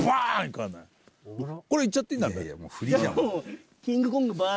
これいっちゃっていいんだべ？